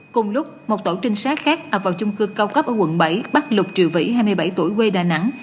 cùng lúc một tổ trinh sát khác ập vào chung cư cao cấp ở quận bảy bắt lục triệu vĩ hai mươi bảy tuổi quê đà nẵng